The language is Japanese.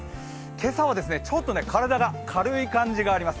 今朝はちょっと体が軽い感じがあります。